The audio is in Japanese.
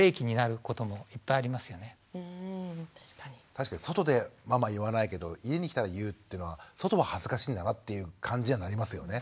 確かに外でママ言わないけど家に来たら言うっていうのは外は恥ずかしいんだなっていう感じにはなりますよね。